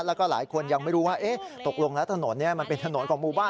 แล้วก็หลายคนยังไม่รู้ว่าตกลงแล้วถนนนี้มันเป็นถนนของหมู่บ้าน